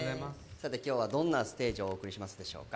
今日はどんなステージを送りますでしょうか？